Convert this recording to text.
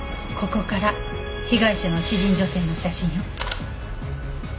ここから被害者の知人女性の写真よ。